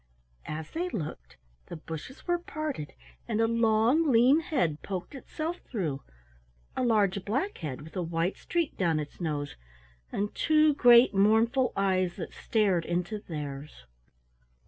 As they looked the bushes were parted, and a long lean head poked itself through, a large black head with a white streak down its nose, and two great mournful eyes that stared into theirs.